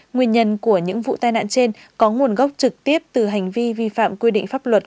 nguyên nhân của những vụ tai nạn trên có nguồn gốc trực tiếp từ hành vi vi phạm quy định pháp luật